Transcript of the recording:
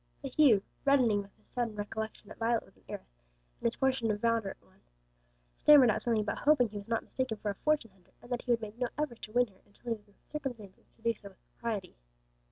But Hugh, reddening with the sudden recollection that Violet was an heiress, and his portion a very moderate one, stammered out something about hoping he was not mistaken for a fortune hunter, and that he would make no effort to win her until he was in circumstances to do so with propriety.